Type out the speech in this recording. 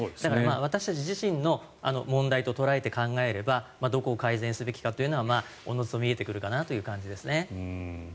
私たち自身の問題と捉えて考えればどこを改善すべきかはおのずと見えてくるかなという感じですね。